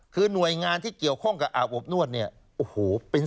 คือหน่วยงานที่เกี่ยวข้องกับอาบอบนวดเนี่ยโอ้โห